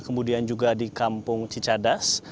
kemudian juga di kampung cicadas